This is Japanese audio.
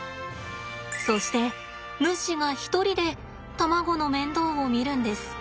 そしてヌシが一人で卵の面倒を見るんです。